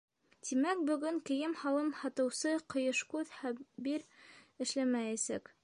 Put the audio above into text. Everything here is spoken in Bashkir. Тимәк, бөгөн кейем-һалым һатыусы Ҡыйышкүҙ Хәбир эшләмәйәсәк.